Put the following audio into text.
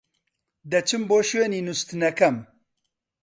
دەچم بۆ شوێنی نوستنەکەم.